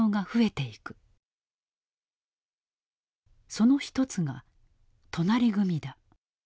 その一つが隣組だ。